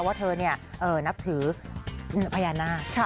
ว่าเธอนับถือพญานาค